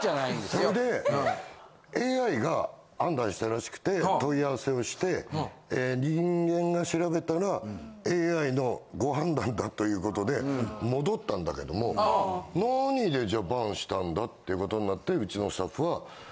それでＡＩが判断したらしくて問い合わせをして人間が調べたらＡＩの誤判断だということで戻ったんだけどもなにでじゃあＢＡＮしたんだっていうことになってうちのスタッフは。